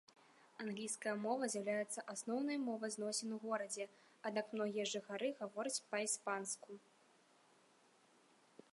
Англійская мова з'яўляецца асноўнай мовай зносін у горадзе, аднак многія жыхары гавораць па-іспанску.